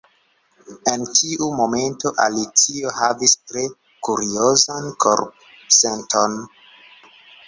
En tiu momento Alicio havis tre kuriozan korpsenton.